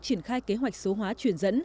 triển khai kế hoạch số hóa truyền dẫn